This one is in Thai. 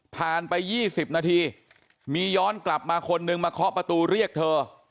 ไป๒๐นาทีมีย้อนกลับมาคนนึงมาเคาะประตูเรียกเธอ